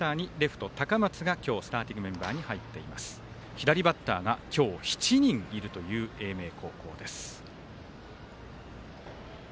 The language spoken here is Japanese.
左バッターが今日７人いるという英明高校です。